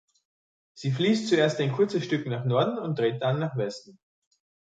Sie fließt zuerst ein kurzes Stück nach Norden und dreht dann nach Westen.